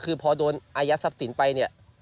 คือพอโดนอายัดทรัพย์สินไปเนี่ย